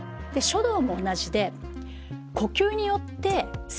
書道も同じで。